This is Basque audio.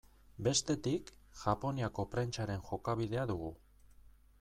Bestetik, Japoniako prentsaren jokabidea dugu.